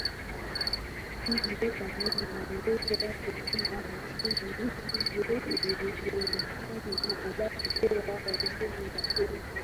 hizo pamoja na uwezo wake kama mchumi ndizo zilizomfanya abaki kuwa Waziri wa Fedha